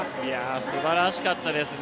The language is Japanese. すばらしかったですね。